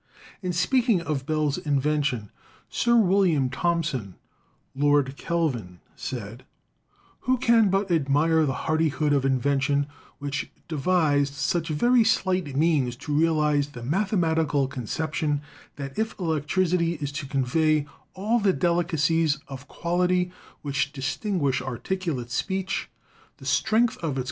In speaking of Bell's invention, Sir William Thomson, Lord Kelvin, said: "Who can but admire the hardihood of invention which devised such very slight means to realize the mathematical conception that if electricity is to convey all the delicacies of quality which distinguish articulate speech, the strength of its.